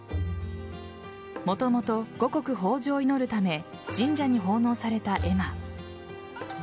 もともと、五穀豊穣を祈るため神社に奉納された絵馬。